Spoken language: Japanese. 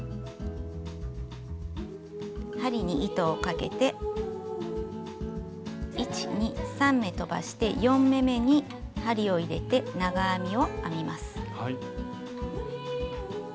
針に糸をかけて１２３目とばして４目めに針を入れて長編みを編みます。